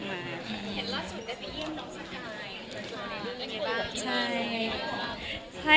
เห็นล่าสุดได้ไปเยี่ยมน้องสกาย